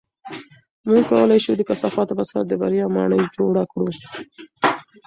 موږ کولی شو د کثافاتو په سر د بریا ماڼۍ جوړه کړو.